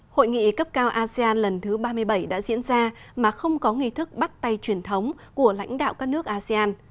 hội nghị cấp cao asean lần thứ ba mươi bảy đã diễn ra mà không có nghi thức bắt tay truyền thống của lãnh đạo các nước asean